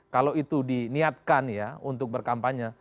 kalau itu diniatkan ya untuk berkampanye